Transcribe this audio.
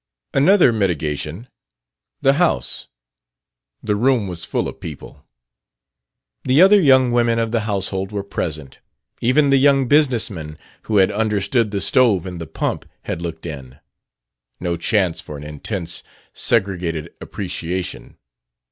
Another mitigation: the house, the room, was full of people. The other young women of the household were present; even the young business man who had understood the stove and the pump had looked in: no chance for an intense, segregated appreciation.